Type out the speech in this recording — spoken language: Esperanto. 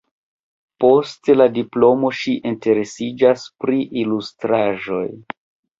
Post la diplomo ŝi interesiĝas pri ilustraĵoj.